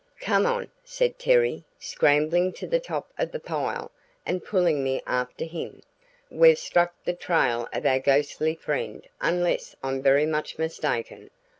"Come on!" said Terry, scrambling to the top of the pile and pulling me after him, "we've struck the trail of our ghostly friend unless I'm very much mistaken.